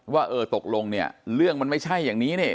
ว่าเออตกลงเนี่ยเรื่องมันไม่ใช่อย่างนี้เนี่ย